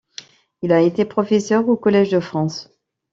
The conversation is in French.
Il a été professeur au Collège de France.